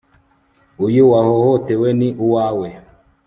uyu wahohotewe ni uwawe